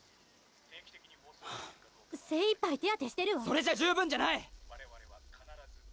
はぁ精いっぱい手当てしてるわそれじゃ十分じゃない！